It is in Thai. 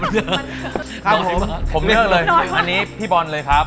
มันเชิงอะอันนี้พี่บอลเลยครับ